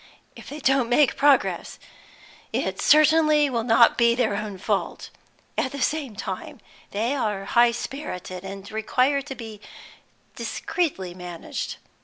If they don't make progress, it certainly will not be their own fault. At the same time, they are high spirited, and require to be discreetly managed.